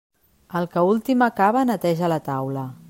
El que últim acaba, neteja la taula.